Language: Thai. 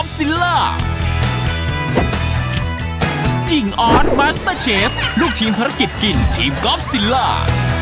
ก๊อบซิลล่ายิ่งออดมัสเตอร์เชฟลูกทีมภารกิจกินทีมก๊อบซิลล่า